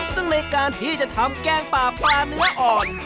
ซึ่งในการที่จะทำแกงป่าปลาปลาเนื้ออ่อน